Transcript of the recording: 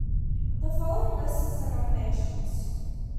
The following list is the nominations.